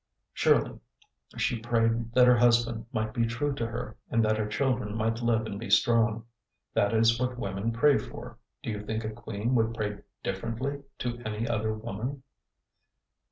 Surely she prayed that her husband might be true to her, and that her children might live and be strong. That is what women pray for. Do you think a queen would pray differently to any other woman?'